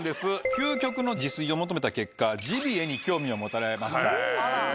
究極の自炊を求めた結果ジビエに興味を持たれました。